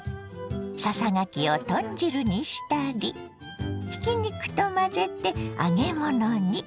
ささがきを豚汁にしたりひき肉と混ぜて揚げ物に。